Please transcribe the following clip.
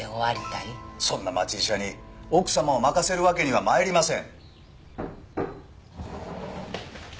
そんな町医者に奥様を任せるわけには参りません。